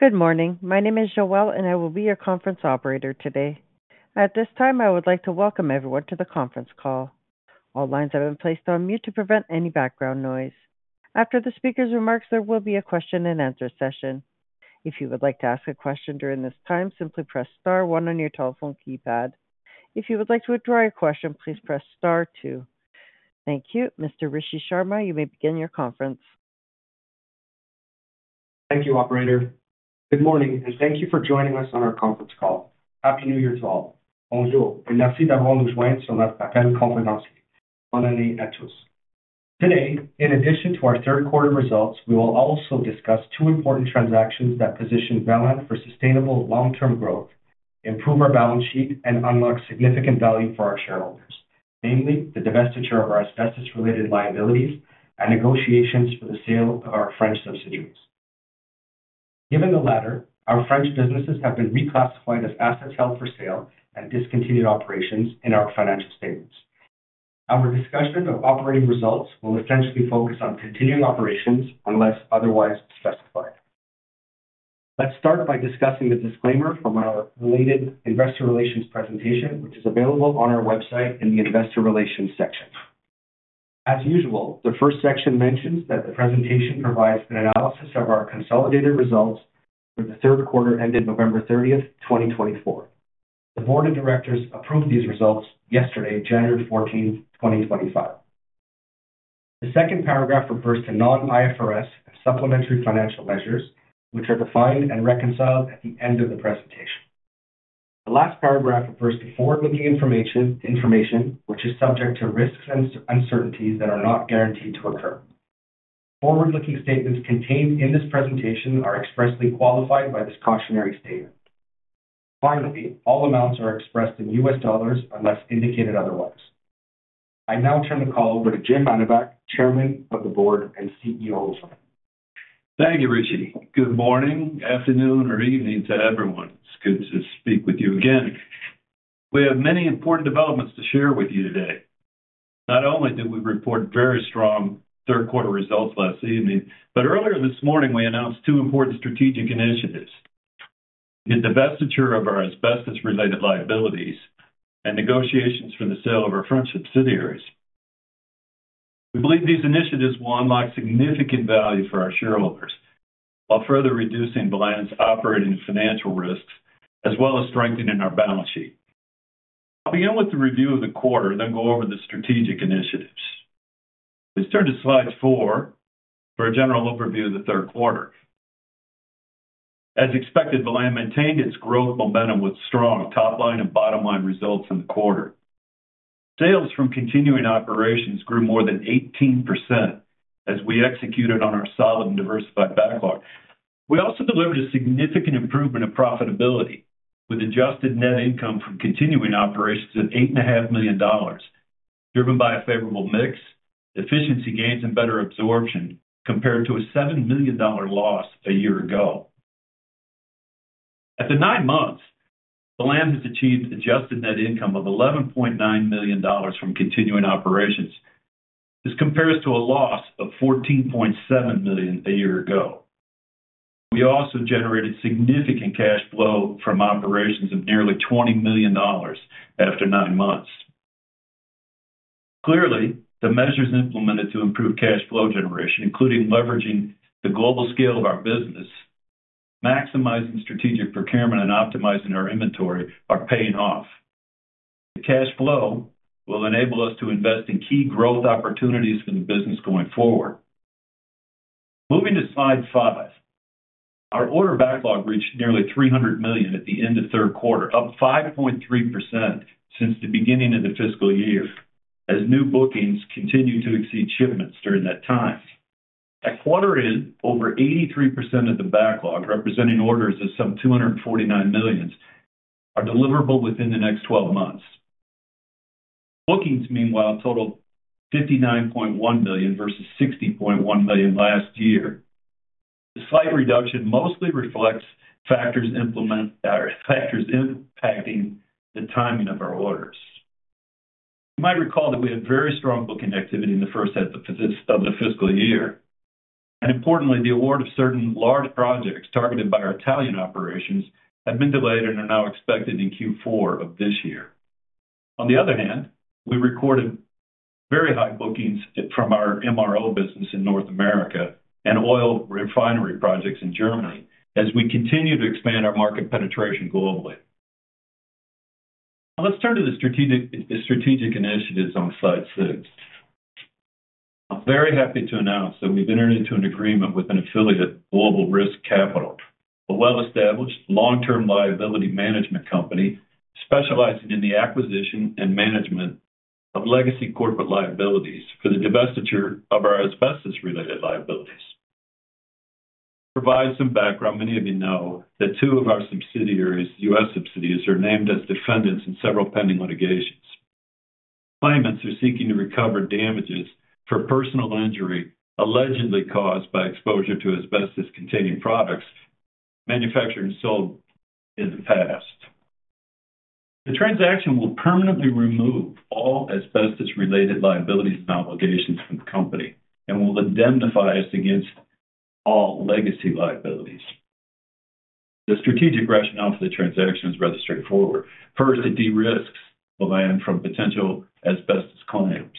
Good morning. My name is Joelle, and I will be your conference operator today. At this time, I would like to welcome everyone to the conference call. All lines have been placed on mute to prevent any background noise. After the speaker's remarks, there will be a question-and-answer session. If you would like to ask a question during this time, simply press star one on your telephone keypad. If you would like to withdraw your question, please press star two. Thank you. Mr. Rishi Sharma, you may begin your conference. Thank you, Operator. Good morning, and thank you for joining us on our conference call. Happy New Year to all. Bonjour, et merci d'avoir rejoint sur notre appel conférencier. Bonne année à tous. Today, in addition to our third quarter results, we will also discuss two important transactions that position Velan for sustainable long-term growth, improve our balance sheet, and unlock significant value for our shareholders, namely the divestiture of our asbestos-related liabilities and negotiations for the sale of our French subsidiaries. Given the latter, our French businesses have been reclassified as assets held for sale and discontinued operations in our financial statements. Our discussion of operating results will essentially focus on continuing operations unless otherwise specified. Let's start by discussing the disclaimer from our related investor relations presentation, which is available on our website in the investor relations section. As usual, the first section mentions that the presentation provides an analysis of our consolidated results for the third quarter ended November 30th, 2024. The board of directors approved these results yesterday, January 14th, 2025. The second paragraph refers to non-IFRS and supplementary financial measures, which are defined and reconciled at the end of the presentation. The last paragraph refers to forward-looking information, which is subject to risks and uncertainties that are not guaranteed to occur. Forward-looking statements contained in this presentation are expressly qualified by this cautionary statement. Finally, all amounts are expressed in U.S. dollars unless indicated otherwise. I now turn the call over to Jim Mannebach, Chairman of the Board and CEO of Velan. Thank you, Rishi. Good morning, afternoon, or evening to everyone. It's good to speak with you again. We have many important developments to share with you today. Not only did we report very strong third quarter results last evening, but earlier this morning we announced two important strategic initiatives: the divestiture of our asbestos-related liabilities and negotiations for the sale of our French subsidiaries. We believe these initiatives will unlock significant value for our shareholders while further reducing Velan's operating and financial risks, as well as strengthening our balance sheet. I'll begin with the review of the quarter, then go over the strategic initiatives. Please turn to slide four for a general overview of the third quarter. As expected, Velan maintained its growth momentum with strong top-line and bottom-line results in the quarter. Sales from continuing operations grew more than 18% as we executed on our solid and diversified backlog. We also delivered a significant improvement of profitability with adjusted net income from continuing operations at 8.5 million dollars, driven by a favorable mix, efficiency gains, and better absorption compared to a 7 million dollar loss a year ago. At the nine months, Velan has achieved adjusted net income of 11.9 million dollars from continuing operations. This compares to a loss of 14.7 million a year ago. We also generated significant cash flow from operations of nearly 20 million dollars after nine months. Clearly, the measures implemented to improve cash flow generation, including leveraging the global scale of our business, maximizing strategic procurement, and optimizing our inventory, are paying off. The cash flow will enable us to invest in key growth opportunities for the business going forward. Moving to slide five, our order backlog reached nearly $300 million at the end of third quarter, up 5.3% since the beginning of the fiscal year, as new bookings continued to exceed shipments during that time. At quarter end, over 83% of the backlog, representing orders of some $249 million, are deliverable within the next 12 months. Bookings, meanwhile, totaled $59.1 million versus $60.1 million last year. The slight reduction mostly reflects factors impacting the timing of our orders. You might recall that we had very strong booking activity in the first half of the fiscal year. And importantly, the award of certain large projects targeted by our Italian operations had been delayed and are now expected in Q4 of this year. On the other hand, we recorded very high bookings from our MRO business in North America and oil refinery projects in Germany as we continue to expand our market penetration globally. Now, let's turn to the strategic initiatives on slide six. I'm very happy to announce that we've entered into an agreement with an affiliate, Global Risk Capital, a well-established long-term liability management company specializing in the acquisition and management of legacy corporate liabilities for the divestiture of our asbestos-related liabilities. To provide some background, many of you know that two of our subsidiaries, U.S. subsidiaries, are named as defendants in several pending litigations. Claimants are seeking to recover damages for personal injury allegedly caused by exposure to asbestos-containing products manufactured and sold in the past. The transaction will permanently remove all asbestos-related liabilities and obligations from the company and will indemnify us against all legacy liabilities. The strategic rationale for the transaction is rather straightforward. First, it de-risks Velan from potential asbestos claims.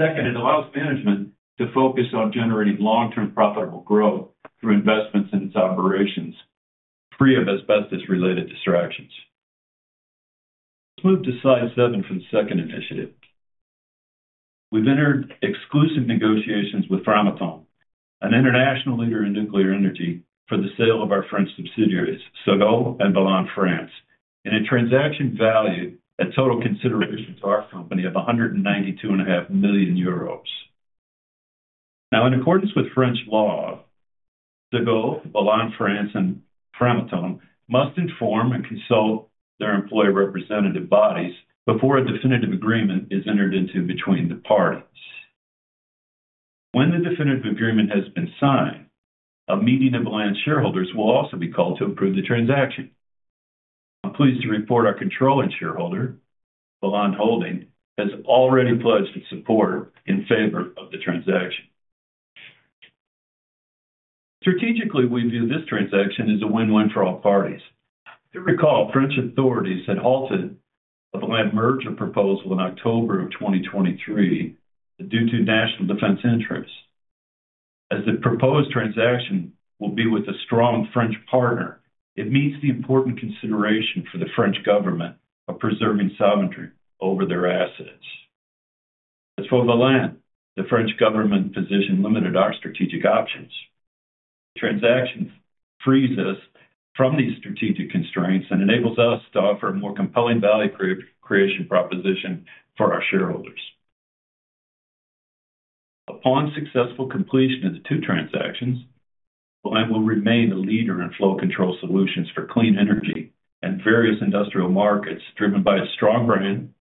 Second, it allows management to focus on generating long-term profitable growth through investments in its operations free of asbestos-related distractions. Let's move to slide seven for the second initiative. We've entered exclusive negotiations with Framatome, an international leader in nuclear energy, for the sale of our French subsidiaries, Segault and Velan France, in a transaction valued at total consideration to our company of 192.5 million euros. Now, in accordance with French law, Segault, Velan France, and Framatome must inform and consult their employee representative bodies before a definitive agreement is entered into between the parties. When the definitive agreement has been signed, a meeting of Velan's shareholders will also be called to approve the transaction. I'm pleased to report our controlling shareholder, Velan Holdings, has already pledged its support in favor of the transaction. Strategically, we view this transaction as a win-win for all parties. You'll recall French authorities had halted a Velan merger proposal in October of 2023 due to national defense interests. As the proposed transaction will be with a strong French partner, it meets the important consideration for the French government of preserving sovereignty over their assets. As for Velan, the French government position limited our strategic options. The transaction frees us from these strategic constraints and enables us to offer a more compelling value creation proposition for our shareholders. Upon successful completion of the two transactions, Velan will remain the leader in flow control solutions for clean energy and various industrial markets driven by a strong brand,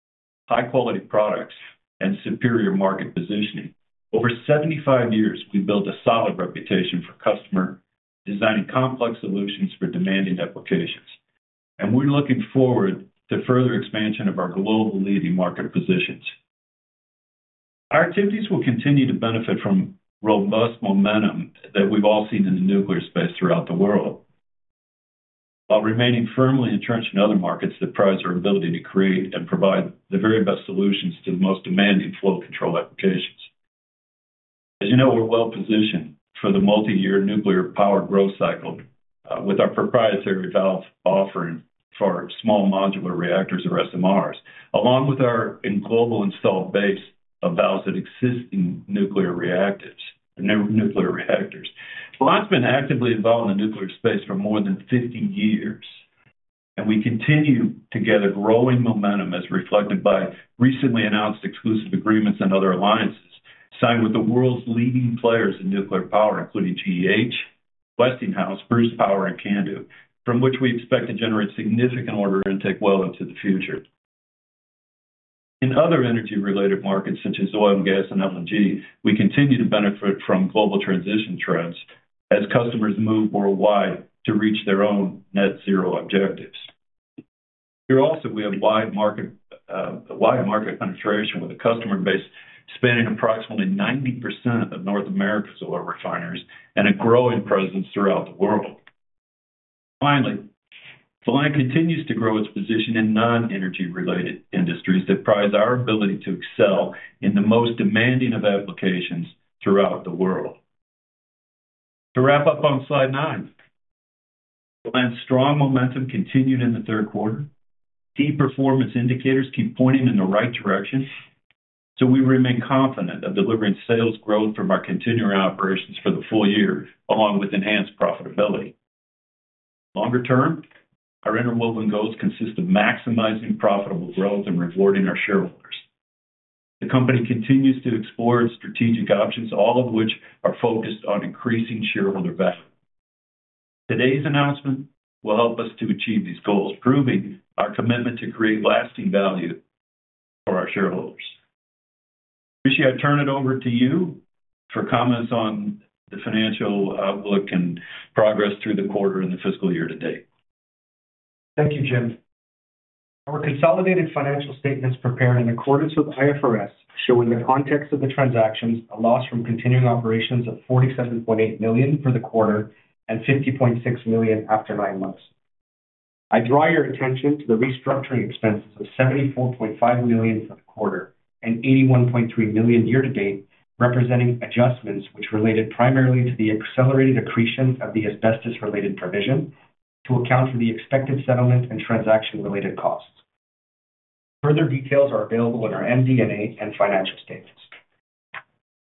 high-quality products, and superior market positioning. Over 75 years, we've built a solid reputation for custom design and complex solutions for demanding applications. We're looking forward to further expansion of our global leading market positions. Our activities will continue to benefit from robust momentum that we've all seen in the nuclear space throughout the world. While remaining firmly entrenched in other markets that prize our ability to create and provide the very best solutions to the most demanding flow control applications. As you know, we're well positioned for the multi-year nuclear power growth cycle with our proprietary valve offering for small modular reactors or SMRs, along with our global installed base of valves that exist in nuclear reactors. Velan's been actively involved in the nuclear space for more than 50 years. We continue to gather growing momentum as reflected by recently announced exclusive agreements and other alliances signed with the world's leading players in nuclear power, including GEH, Westinghouse, Bruce Power, and CANDU, from which we expect to generate significant order intake well into the future. In other energy-related markets such as oil and gas and LNG, we continue to benefit from global transition trends as customers move worldwide to reach their own net zero objectives. Here also, we have wide market penetration with a customer base spanning approximately 90% of North America's oil refineries and a growing presence throughout the world. Finally, Velan continues to grow its position in non-energy-related industries that prize our ability to excel in the most demanding of applications throughout the world. To wrap up on slide nine, Velan's strong momentum continued in the third quarter. Key performance indicators keep pointing in the right direction. We remain confident of delivering sales growth from our continuing operations for the full year, along with enhanced profitability. Longer term, our interwoven goals consist of maximizing profitable growth and rewarding our shareholders. The company continues to explore its strategic options, all of which are focused on increasing shareholder value. Today's announcement will help us to achieve these goals, proving our commitment to create lasting value for our shareholders. Rishi, I turn it over to you for comments on the financial outlook and progress through the quarter and the fiscal year to date. Thank you, Jim. Our consolidated financial statements prepared in accordance with IFRS show, in the context of the transactions, a loss from continuing operations of 47.8 million for the quarter and 50.6 million after nine months. I draw your attention to the restructuring expenses of 74.5 million for the quarter and 81.3 million year to date, representing adjustments which related primarily to the accelerated accretion of the asbestos-related provision to account for the expected settlement and transaction-related costs. Further details are available in our MD&A and financial statements.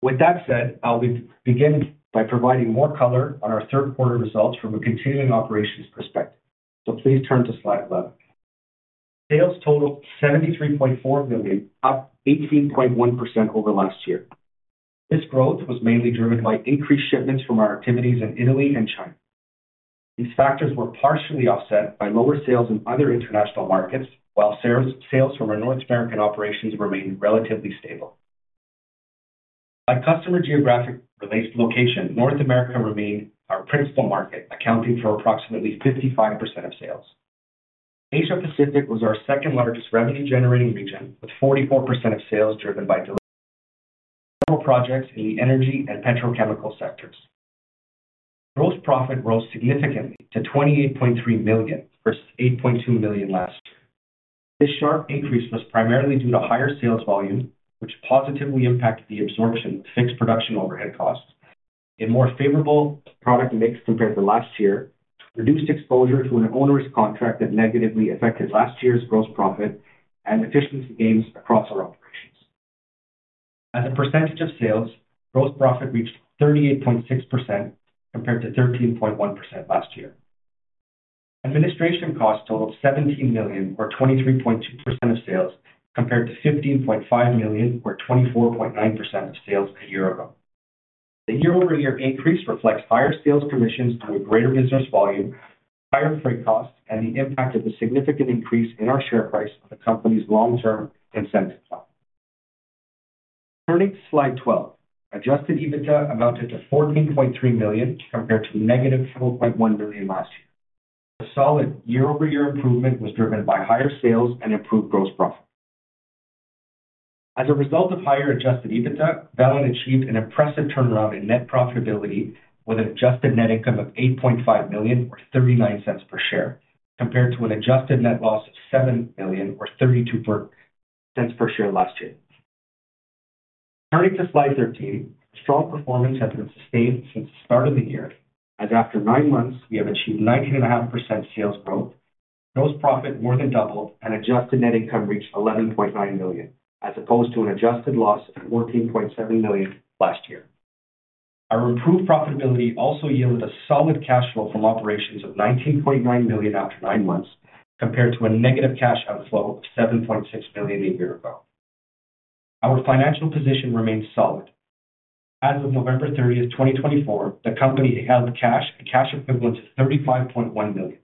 With that said, I'll begin by providing more color on our third quarter results from a continuing operations perspective. So please turn to slide 11. Sales totaled 73.4 million, up 18.1% over last year. This growth was mainly driven by increased shipments from our activities in Italy and China. These factors were partially offset by lower sales in other international markets, while sales from our North American operations remained relatively stable. By customer geographic location, North America remained our principal market, accounting for approximately 55% of sales. Asia-Pacific was our second-largest revenue-generating region, with 44% of sales driven by several projects in the energy and petrochemical sectors. Gross profit rose significantly to 28.3 million versus 8.2 million last year. This sharp increase was primarily due to higher sales volume, which positively impacted the absorption of fixed production overhead costs. A more favorable product mix compared to last year reduced exposure to an onerous contract that negatively affected last year's gross profit and efficiency gains across our operations. As a percentage of sales, gross profit reached 38.6% compared to 13.1% last year. Administration costs totaled 17 million, or 23.2% of sales, compared to 15.5 million, or 24.9% of sales a year ago. The year-over-year increase reflects higher sales commissions due to greater business volume, higher freight costs, and the impact of the significant increase in our share price of the company's long-term incentive plan. Turning to slide 12, Adjusted EBITDA amounted to 14.3 million compared to negative 4.1 million last year. A solid year-over-year improvement was driven by higher sales and improved gross profit. As a result of higher Adjusted EBITDA, Velan achieved an impressive turnaround in net profitability with an adjusted net income of 8.5 million, or 0.39 per share, compared to an adjusted net loss of 7 million, or 0.32 per share last year. Turning to slide 13, strong performance has been sustained since the start of the year, as after nine months, we have achieved 19.5% sales growth. Gross profit more than doubled, and adjusted net income reached $11.9 million, as opposed to an adjusted loss of $14.7 million last year. Our improved profitability also yielded a solid cash flow from operations of $19.9 million after nine months, compared to a negative cash outflow of $7.6 million a year ago. Our financial position remains solid. As of November 30, 2024, the company held cash and cash equivalents of $35.1 million.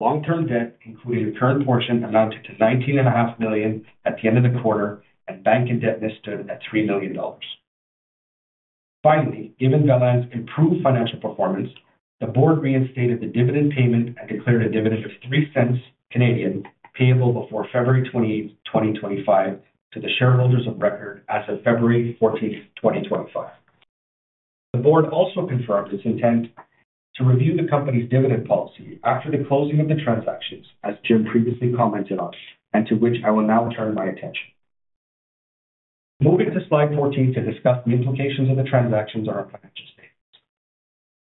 Long-term debt, including a current portion, amounted to $19.5 million at the end of the quarter, and bank indebtedness stood at $3 million. Finally, given Velan's improved financial performance, the board reinstated the dividend payment and declared a dividend of 0.03 payable before February 28, 2025, to the shareholders of record as of February 14, 2025. The board also confirmed its intent to review the company's dividend policy after the closing of the transactions, as Jim previously commented on, and to which I will now turn my attention. Moving to slide 14 to discuss the implications of the transactions on our financial statements.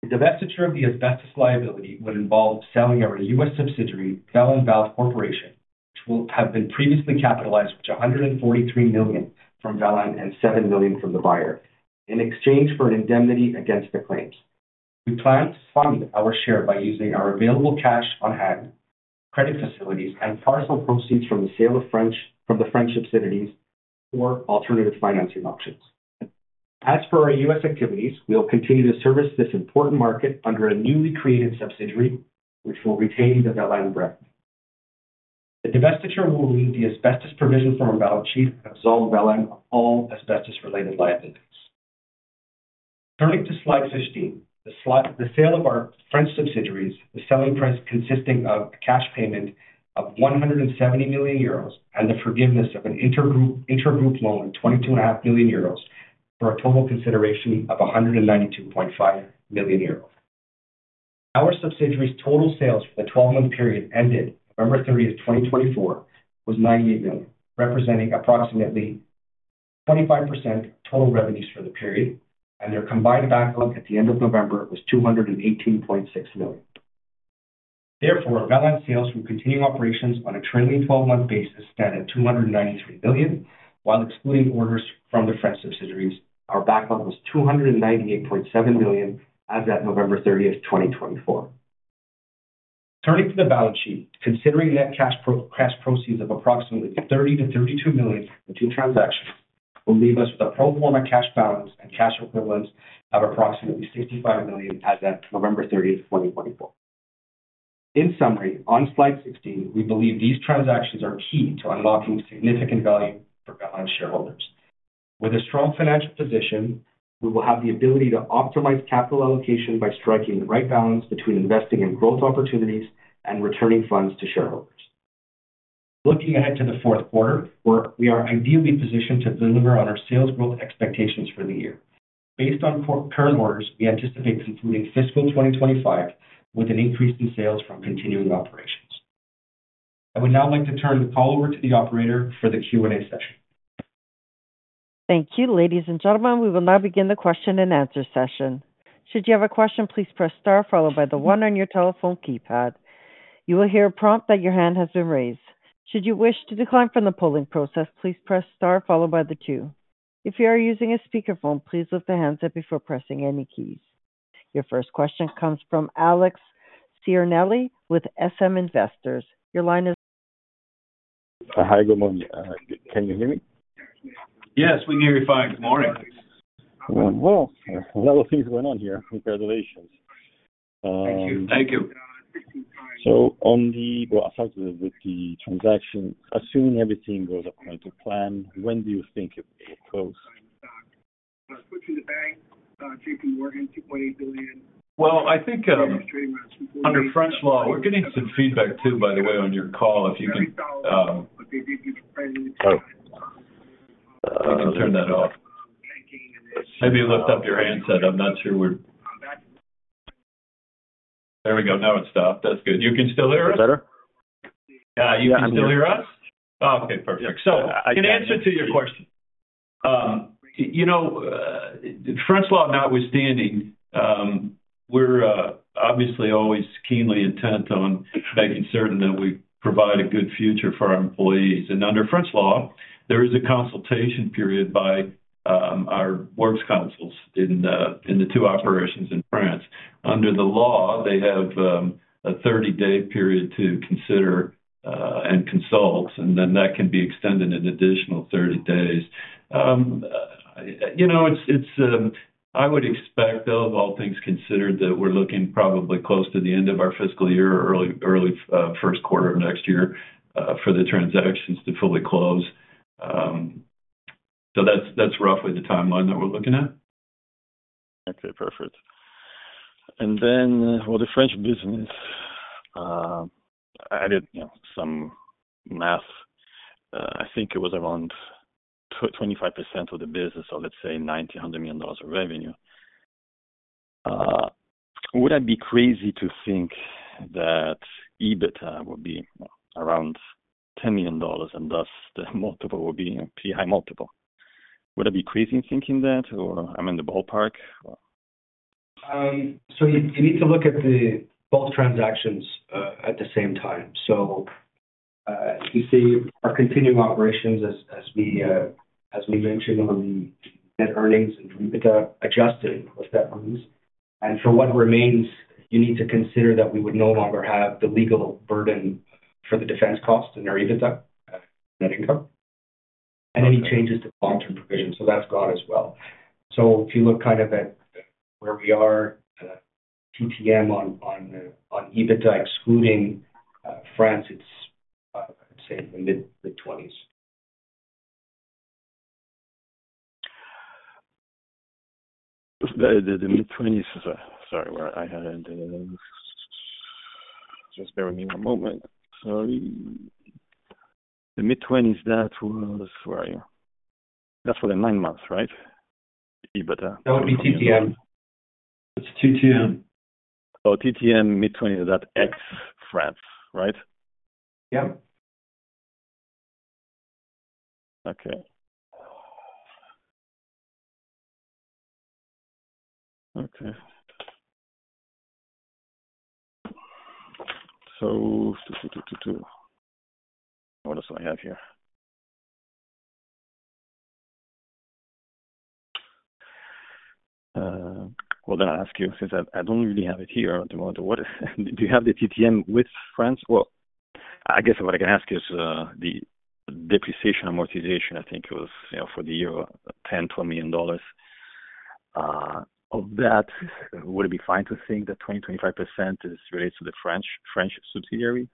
The divestiture of the asbestos liability would involve selling our U.S. subsidiary, Velan Valve Corporation, which will have been previously capitalized with $143 million from Velan and $7 million from the buyer, in exchange for an indemnity against the claims. We plan to fund our share by using our available cash on hand, credit facilities, and partial proceeds from the sale of French subsidiaries or alternative financing options. As for our U.S. activities, we'll continue to service this important market under a newly created subsidiary, which will retain the Velan brand. The divestiture will remove the asbestos provision from our balance sheet and absolve Velan of all asbestos-related liabilities. Turning to slide 15, the sale of our French subsidiaries. The selling price consisting of a cash payment of 170 million euros and the forgiveness of an inter-group loan of 22.5 million euros for a total consideration of 192.5 million euros. Our subsidiary's total sales for the 12-month period ended November 30, 2024, was $98 million, representing approximately 25% total revenues for the period, and their combined backlog at the end of November was $218.6 million. Therefore, Velan's sales from continuing operations on a trailing 12-month basis stand at $293 million. While excluding orders from the French subsidiaries, our backlog was $298.7 million as of November 30, 2024. Turning to the balance sheet, considering net cash proceeds of approximately $30-$32 million for the two transactions, we'll leave us with a pro forma cash balance and cash equivalents of approximately $65 million as of November 30, 2024. In summary, on slide 16, we believe these transactions are key to unlocking significant value for Velan's shareholders. With a strong financial position, we will have the ability to optimize capital allocation by striking the right balance between investing in growth opportunities and returning funds to shareholders. Looking ahead to the fourth quarter, we are ideally positioned to deliver on our sales growth expectations for the year. Based on current orders, we anticipate concluding fiscal 2025 with an increase in sales from continuing operations. I would now like to turn the call over to the operator for the Q&A session. Thank you. Ladies and gentlemen, we will now begin the question and answer session. Should you have a question, please press star, followed by the one on your telephone keypad. You will hear a prompt that your hand has been raised. Should you wish to decline from the polling process, please press star, followed by the two. If you are using a speakerphone, please lift the handset up before pressing any keys. Your first question comes from Alex Ciarnelli with SM Investors. Your line is. Hi, good morning. Can you hear me? Yes, we can hear you fine. Good morning. A lot of things going on here. Congratulations. Thank you. Thank you. So on the transaction, assuming everything goes according to plan, when do you think it will close? I think. Under French law, we're getting some feedback too, by the way, on your call. If you can. Oh. We can turn that off. Maybe you lift up your handset. I'm not sure we're. There we go. Now it's stopped. That's good. You can still hear us? Better? Yeah. You can still hear us? Oh, okay. Perfect, so an answer to your question. French law, notwithstanding, we're obviously always keenly intent on making certain that we provide a good future for our employees, and under French law, there is a consultation period by our works councils in the two operations in France. Under the law, they have a 30-day period to consider and consult, and then that can be extended an additional 30 days. I would expect, though, of all things considered, that we're looking probably close to the end of our fiscal year, early first quarter of next year, for the transactions to fully close, so that's roughly the timeline that we're looking at. Okay. Perfect, and then for the French business, I did some math. I think it was around 25% of the business, so let's say $900 million of revenue. Would I be crazy to think that EBITDA would be around $10 million and thus the multiple will be a pretty high multiple? Would I be crazy in thinking that, or I'm in the ballpark? So you need to look at both transactions at the same time. So you see our continuing operations, as we mentioned, on the net earnings and EBITDA adjusted, what that means. And for what remains, you need to consider that we would no longer have the legal burden for the defense cost and our EBITDA net income and any changes to the long-term provision. So that's gone as well. So if you look kind of at where we are, TTM on EBITDA, excluding France, it's, I'd say, the mid-20s. The mid-20s, sorry, where I had ended it. Just bear with me one moment. Sorry. The mid-20s, that was where are you? That's for the nine months, right? EBITDA. That would be TTM. That's TTM. So TTM, mid-20s, that's ex-France, right? Yeah. Okay. Okay. What do I have here? Well, then I ask you, since I don't really have it here at the moment, do you have the TTM with France? Well, I guess what I can ask you is the depreciation amortization. I think it was for the year of $10 million-$12 million. Of that, would it be fine to think that 20%-25% is related to the French subsidiary?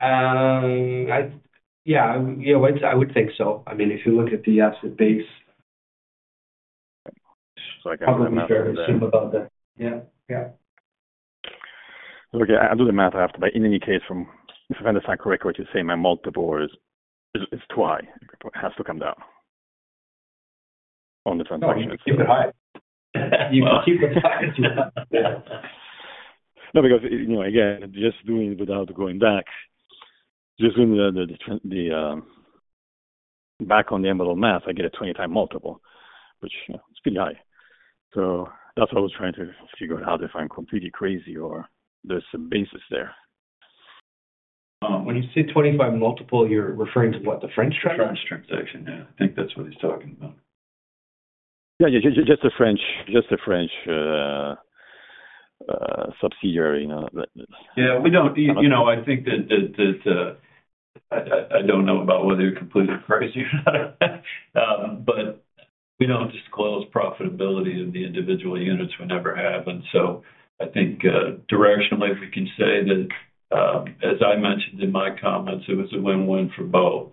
Yeah. I would think so. I mean, if you look at the absolute base. So I can have a better assumption about that. Yeah. Yeah. Okay. I'll do the math after. But in any case, if I understand correctly, what you're saying, my multiple is twice. It has to come down on the transactions. Keep it high. You can keep the time. No, because again, just doing it without going back, just doing the back on the envelope math, I get a 20-time multiple, which is pretty high. So that's what I was trying to figure out if I'm completely crazy or there's some basis there. When you say 25 multiple, you're referring to what? The French transaction? French transaction, yeah. I think that's what he's talking about. Yeah. Just the French subsidiary. Yeah. I think that I don't know about whether you're completely crazy or not, but we don't disclose profitability of the individual units whatever happens. So I think directionally, we can say that, as I mentioned in my comments, it was a win-win for both.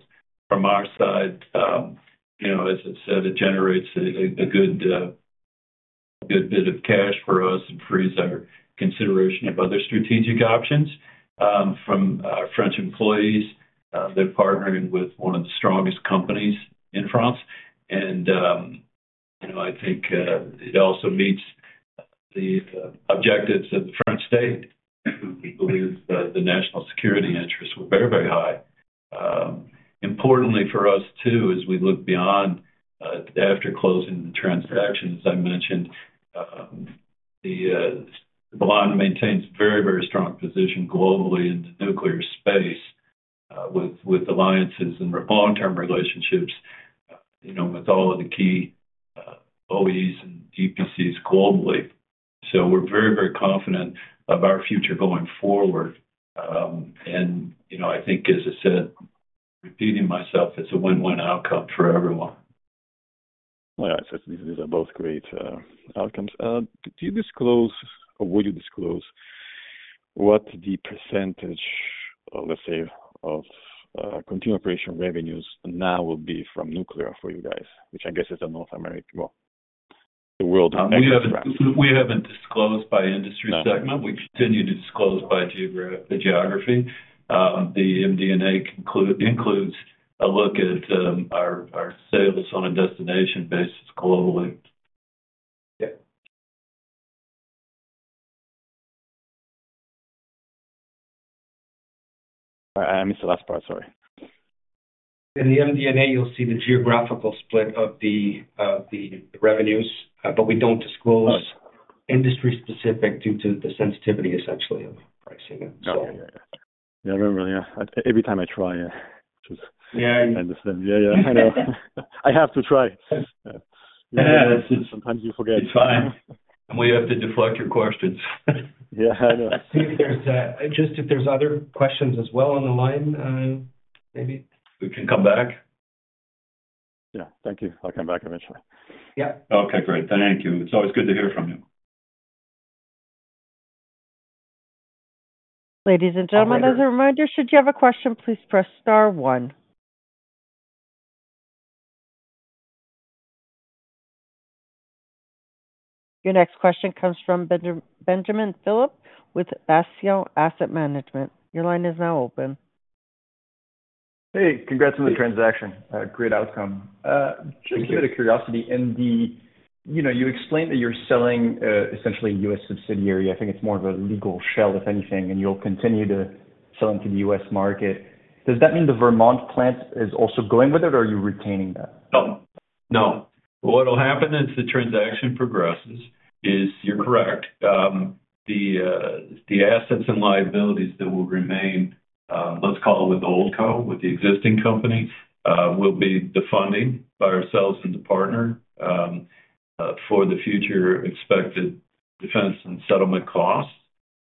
From our side, as I said, it generates a good bit of cash for us and frees our consideration of other strategic options. From our French employees, they're partnering with one of the strongest companies in France. And I think it also meets the objectives of the French state, which believes the national security interests were very, very high. Importantly for us too, as we look beyond after closing the transaction, as I mentioned, Velan maintains a very, very strong position globally in the nuclear space with alliances and long-term relationships with all of the key OEs and EPCs globally. So we're very, very confident of our future going forward. And I think, as I said, repeating myself, it's a win-win outcome for everyone. These are both great outcomes. Do you disclose, or would you disclose, what the percentage, let's say, of continuing operations revenues now will be from nuclear for you guys, which I guess is a North American, well, the world. We haven't disclosed by industry segment. We continue to disclose by geography. The MD&A includes a look at our sales on a destination basis globally. I missed the last part. Sorry. In the MD&A, you'll see the geographical split of the revenues, but we don't disclose industry-specific due to the sensitivity, essentially, of pricing. Yeah. I remember. Yeah. Every time I try, I just. Yeah. I understand. Yeah. Yeah. I know. I have to try. Yeah. Sometimes you forget. It's fine, and we have to deflect your questions. Yeah. I know. Just if there's other questions as well on the line, maybe we can come back. Yeah. Thank you. I'll come back eventually. Yeah. Okay. Great. Thank you. It's always good to hear from you. Ladies and gentlemen, as a reminder, should you have a question, please press star one. Your next question comes from Benjamin Phillips with Basel Asset Management. Your line is now open. Hey. Congrats on the transaction. Great outcome. Just a bit of curiosity. You explained that you're selling essentially a U.S. subsidiary. I think it's more of a legal shell, if anything, and you'll continue to sell into the U.S. market. Does that mean the Vermont plant is also going with it, or are you retaining that? No. No. What'll happen as the transaction progresses is you're correct. The assets and liabilities that will remain, let's call it with the OldCo, with the existing company, will be the funding by ourselves and the partner for the future expected defense and settlement costs,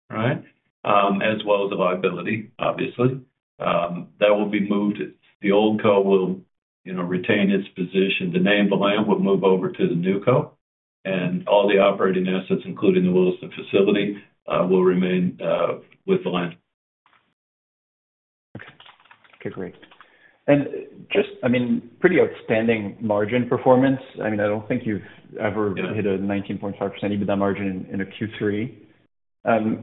right, as well as the liability, obviously. That will be moved. The OldCo will retain its position. The name Velan will move over to the NewCo. And all the operating assets, including the Williston facility, will remain with Velan. Okay. Okay. Great. And just, I mean, pretty outstanding margin performance. I mean, I don't think you've ever hit a 19.5% EBITDA margin in a Q3.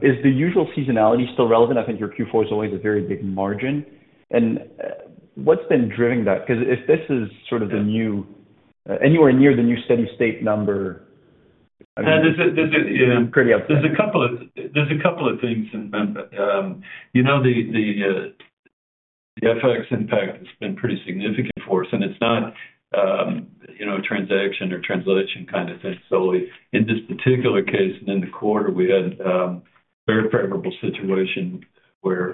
Is the usual seasonality still relevant? I think your Q4 is always a very big margin. And what's been driving that? Because if this is sort of the new anywhere near the new steady state number. Yeah. There's a couple of things. You know the FX impact has been pretty significant for us, and it's not a transaction or translation kind of thing solely. In this particular case, and in the quarter, we had very favorable situations where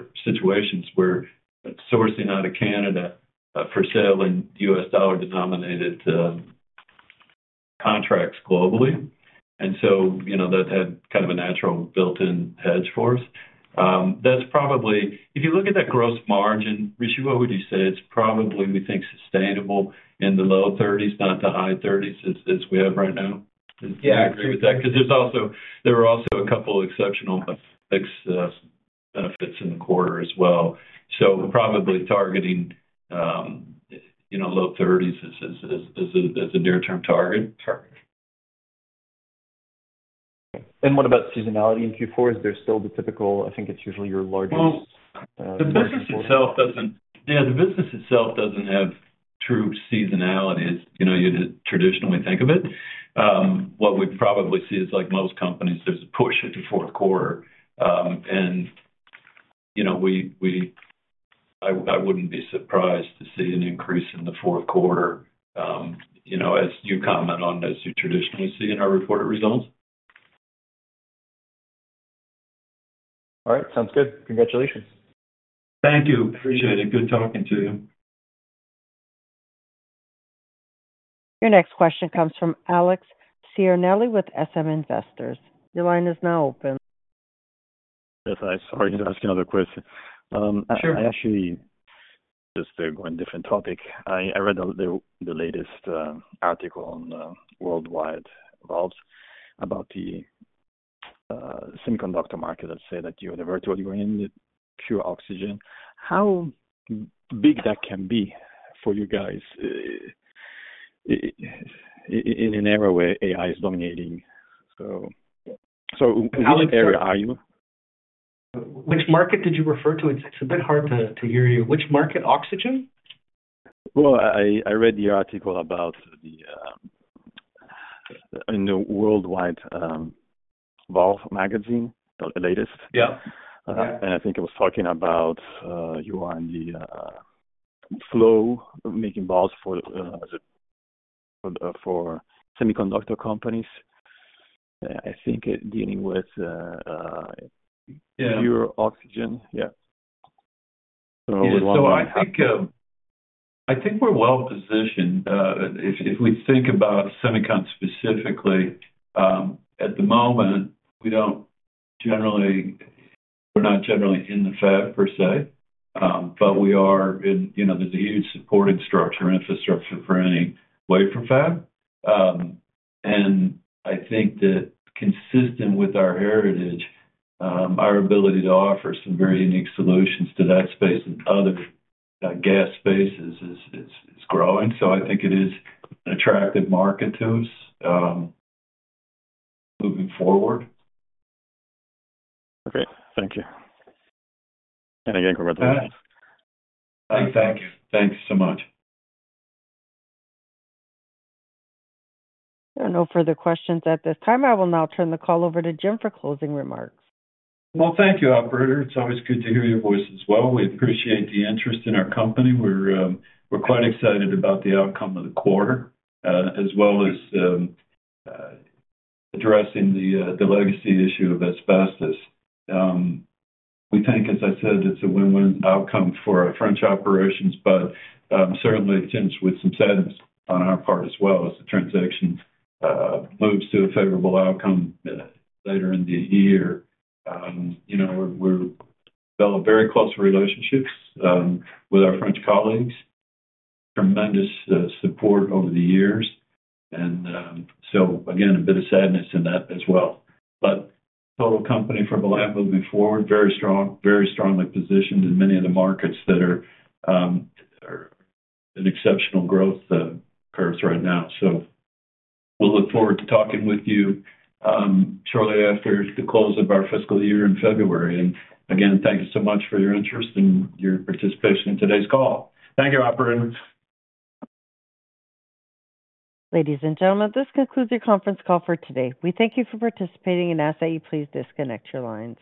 sourcing out of Canada for sale in U.S. dollar-denominated contracts globally. And so that had kind of a natural built-in hedge for us. If you look at that gross margin, Rishi, what would you say? It's probably, we think, sustainable in the low 30s, not the high 30s, as we have right now. Do you agree with that? Because there were also a couple of exceptional benefits in the quarter as well. So probably targeting low 30s as a near-term target. Okay, and what about seasonality in Q4? Is there still the typical? I think it's usually your largest. The business itself doesn't have true seasonality as you'd traditionally think of it. What we'd probably see is, like most companies, there's a push at the fourth quarter. I wouldn't be surprised to see an increase in the fourth quarter, as you comment on, as you traditionally see in our reported results. All right. Sounds good. Congratulations. Thank you. Appreciate it. Good talking to you. Your next question comes from Alex Ciarnelli with SM Investors. Your line is now open. Yes. Sorry. I was asking another question. I actually just go on a different topic. I read the latest article on Worldwide Valves about the semiconductor market, let's say, that you're in a vertical. You're in pure oxygen. How big that can be for you guys in an era where AI is dominating? So in what area are you? Which market did you refer to? It's a bit hard to hear you. Which market? Oxygen? I read your article in the Worldwide Valve magazine, the latest. I think it was talking about you are in the flow of making valves for semiconductor companies. I think dealing with pure oxygen. Yeah. I think we're well-positioned. If we think about semiconductor specifically, at the moment, we're not generally in the fab per se, but we are in. There's a huge supporting structure infrastructure for any wave from fab. I think that consistent with our heritage, our ability to offer some very unique solutions to that space and other gas spaces is growing. I think it is an attractive market to us moving forward. Okay. Thank you, and again, congratulations. Thank you. Thank you so much. There are no further questions at this time. I will now turn the call over to Jim for closing remarks. Thank you, Operator. It's always good to hear your voice as well. We appreciate the interest in our company. We're quite excited about the outcome of the quarter, as well as addressing the legacy issue of asbestos. We think, as I said, it's a win-win outcome for our French operations, but certainly it ends with some sadness on our part as well as the transaction moves to a favorable outcome later in the year. We've built very close relationships with our French colleagues, tremendous support over the years. And so again, a bit of sadness in that as well. But total company for Velan moving forward, very strongly positioned in many of the markets that are in exceptional growth curves right now. So we'll look forward to talking with you shortly after the close of our fiscal year in February. Again, thank you so much for your interest and your participation in today's call. Thank you, Operator. Ladies and gentlemen, this concludes your conference call for today. We thank you for participating and ask that you please disconnect your lines.